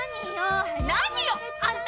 何よあんたたち！